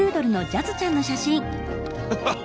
ハハハ。